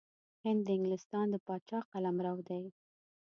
هند د انګلستان د پاچا قلمرو دی.